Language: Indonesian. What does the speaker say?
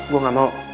gue gak mau